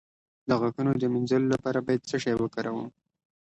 د غاښونو د مینځلو لپاره باید څه شی وکاروم؟